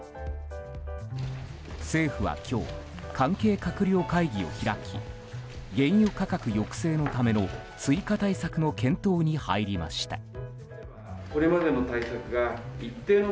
政府は今日関係閣僚会議を開き原油価格抑制のための追加対策の検討に入りました。